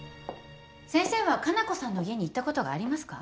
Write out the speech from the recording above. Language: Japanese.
先生は加奈子さんの家に行ったことがありますか？